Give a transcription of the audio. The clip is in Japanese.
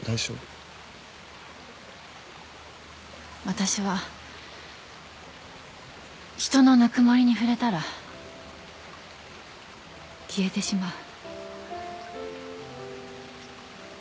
私は人のぬくもりに触れたら消えてしまう。